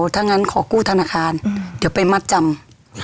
ถ้างั้นขอกู้ธนาคารเดี๋ยวไปมัดจำ